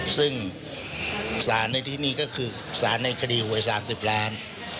ซึ่งสารในที่นี่ก็คือสารในคดีหวย๓๐ล้าน